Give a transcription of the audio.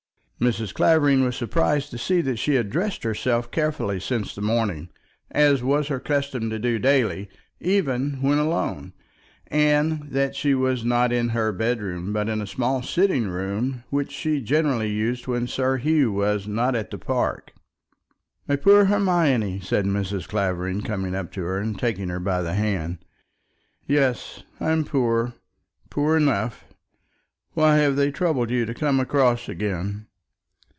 Mrs. Clavering was surprised to see that she had dressed herself carefully since the morning, as was her custom to do daily, even when alone; and that she was not in her bedroom, but in a small sitting room which she generally used when Sir Hugh was not at the park. "My poor Hermione," said Mrs. Clavering, coming up to her, and taking her by the hand. "Yes, I am poor; poor enough. Why have they troubled you to come across again?"